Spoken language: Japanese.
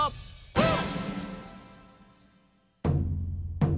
うん！